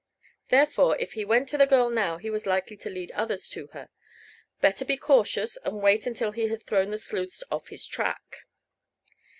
Therefore if he went to the girl now he was likely to lead others to her. Better be cautious and wait until he had thrown the sleuths off his track.